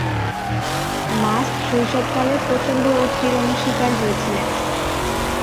Mask শৈশবকালে প্রচন্ড উৎপীড়নের শিকার হয়েছিলেন।